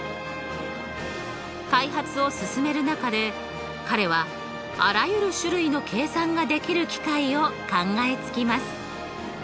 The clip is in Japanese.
開発を進める中で彼はあらゆる種類の計算ができる機械を考えつきます。